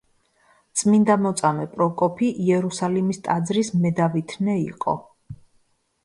წმინდა მოწამე პროკოფი იერუსალიმის ტაძრის მედავითნე იყო.